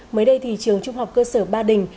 mới đây thì trường trung học cơ sở ba đình